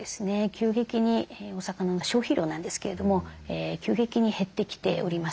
急激にお魚の消費量なんですけれども急激に減ってきております。